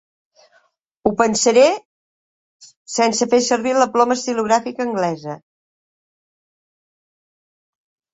Ho pensaré sense fer servir la ploma estilogràfica anglesa.